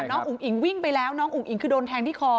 อุ๋งอิ๋งวิ่งไปแล้วน้องอุ๋งคือโดนแทงที่คอ